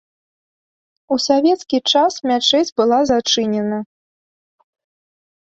У савецкі час мячэць была зачынена.